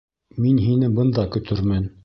Мин һине бында көтөрмөн.